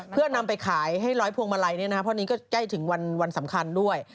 เพื่อนำไปขายให้ร้อยพวงมาลัยเพราะนี้ก็ใกล้ถึงวันสำคัญด้วย